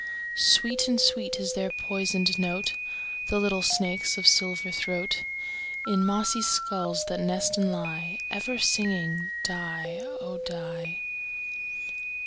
Sweet and sweet is their poisoned note, The little snakes' of silver throat, In mossy skulls that nest and lie, Ever singing "die, oh! die."